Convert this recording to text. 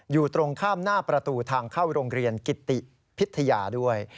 อยู่ตรงข้ามหน้าประตูทางเข้าโรงเรียนกิติพิทยาด้วย